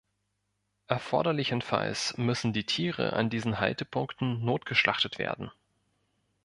Erforderlichenfalls müssen die Tiere an diesen Haltepunkten notgeschlachtet werden.